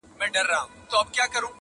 زه له بېرنګۍ سره سوځېږم ته به نه ژاړې؛